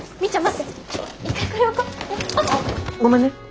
ごめんね。